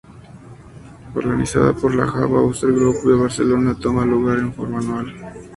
Organizada por la Java User Group de Barcelona, toma lugar en forma anual.